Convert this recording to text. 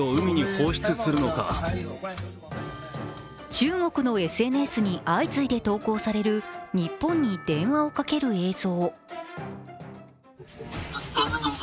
中国のＳＮＳに相次いで投降される日本に電話をかける映像。